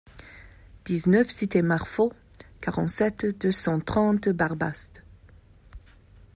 dix-neuf cité Marfaut, quarante-sept, deux cent trente, Barbaste